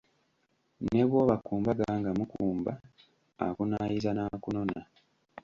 "Ne bw’oba ku mbaga nga mukumba , akunaayiza n'akunona."